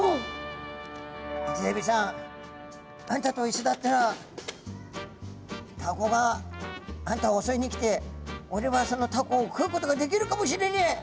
「イセエビさんあんたといっしょだったらタコがあんたをおそいに来ておれはそのタコを食うことができるかもしれねえ。